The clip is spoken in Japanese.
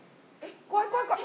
怖い怖い怖い！